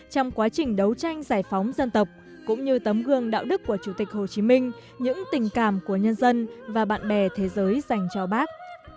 trong quá trình đấu tranh giải phóng dân tộc cũng như tấm gương đạo đức của chủ tịch hồ chí minh những tình cảm của nhân dân và bạn bè thế giới dành cho bác